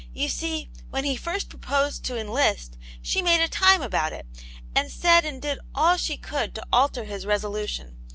You see, when he first proposed to enlist, she made a time about it, and said and did all she could to alter his resolution.